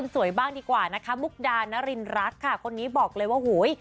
สวยบ้างดีกว่านะคะมุกดานรินรักค่ะคนนี้บอกเลยว่าโหย